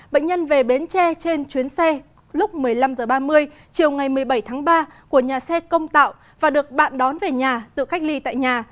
bệnh nhân về bến tre trên chuyến xe lúc một mươi năm h ba mươi chiều ngày một mươi bảy tháng ba của nhà xe công tạo và được bạn đón về nhà tự cách ly tại nhà